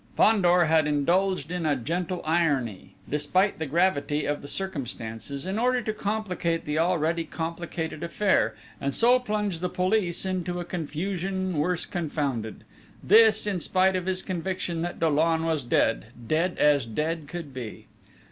Fandor had indulged in a gentle irony, despite the gravity of the circumstances, in order to complicate the already complicated affair, and so plunge the police into a confusion worse confounded: this, in spite of his conviction that Dollon was dead, dead as dead could be!